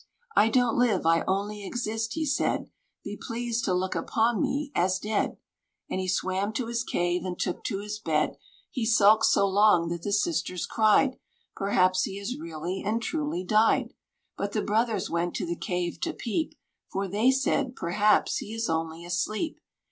"I don't live, I only exist," he said, "Be pleased to look upon me as dead." And he swam to his cave, and took to his bed. He sulked so long that the sisters cried, "Perhaps he has really and truly died." But the brothers went to the cave to peep, For they said, "Perhaps he is only asleep."